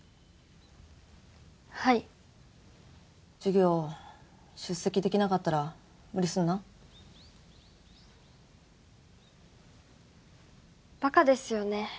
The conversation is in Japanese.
はい授業出席できなかったら無理すんなバカですよね